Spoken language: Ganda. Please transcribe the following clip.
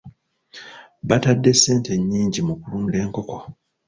Baatadde ssente nnyingi mu kulunda enkoko.